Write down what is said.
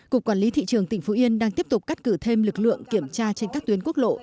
cục quản lý thị trường tỉnh phú yên đang tiếp tục cắt cử thêm lực lượng kiểm tra trên các tuyến quốc lộ